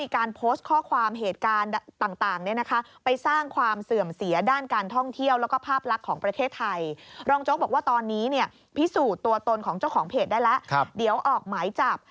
ของเจ้าของเพจได้แล้วเดี๋ยวออกหมายจับ